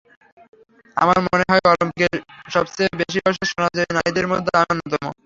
আমার মনে হয়, অলিম্পিকে সবচেয়ে বেশি বয়সে সোনাজয়ী নারীদের মধ্যে আমি অন্যতম।